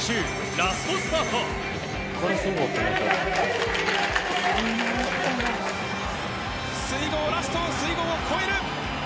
ラストの水濠を越える！